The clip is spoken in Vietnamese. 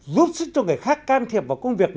giúp sức cho người khác can thiệp vào công việc